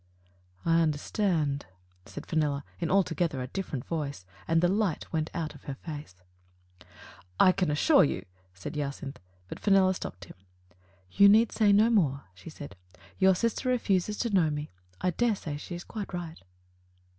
"I understand," said Fenella, in altogether a different voice, and the light went out of her face. "I can assure you " said Jacynth, but Fen ella stopped him. "You need say no more," she said. "Your sister refuses to know me. I daresay she is right."